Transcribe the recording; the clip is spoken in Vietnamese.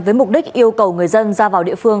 với mục đích yêu cầu người dân ra vào địa phương